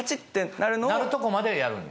なるとこまでやるんや。